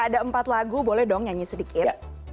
ada empat lagu boleh dong nyanyi sedikit